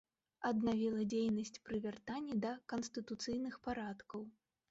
Аднавіла дзейнасць пры вяртанні да канстытуцыйных парадкаў.